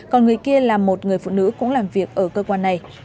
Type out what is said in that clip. còn người kia là một người phụ nữ cũng làm việc ở cơ quan này